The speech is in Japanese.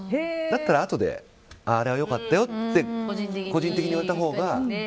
だったら、あとであれは良かったよって個人的に言われたほうが。